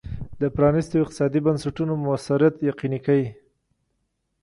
د پرانیستو اقتصادي بنسټونو موثریت یقیني کوي.